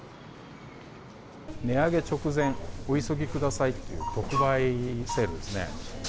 値上げ直前お急ぎくださいという特売セールですね。